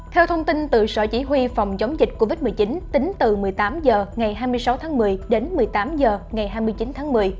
theo thông tin từ sở chỉ huy phòng chống dịch covid một mươi chín tính từ một mươi tám h ngày hai mươi sáu tháng một mươi đến một mươi tám h ngày hai mươi chín tháng một mươi